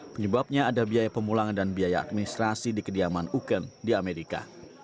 penyebabnya ada biaya pemulangan dan biaya administrasi di kediaman uken di amerika